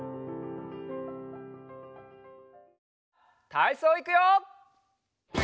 たいそういくよ！